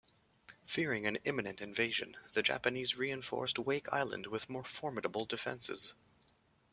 Fearing an imminent invasion, the Japanese reinforced Wake Island with more formidable defenses.